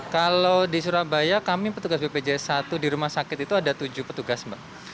kalau di surabaya kami petugas bpjs satu di rumah sakit itu ada tujuh petugas mbak